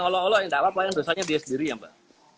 olo olo tidak apa apa yang dosanya dia sendiri ya mbak